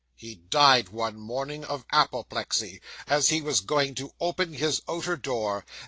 He died one morning of apoplexy, as he was going to open his outer door.